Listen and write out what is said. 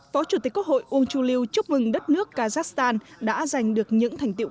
phó chủ tịch quốc hội ung chuliu chúc mừng đất nước kazakhstan đã giành được những thành tiệu